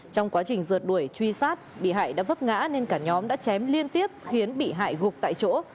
trong quá trình rượt đuổi truy sát bị hại đã vấp ngã nên cả nhóm đã chém liên tiếp khiến bị hại gục tại chỗ